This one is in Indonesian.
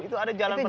itu ada jalan pertama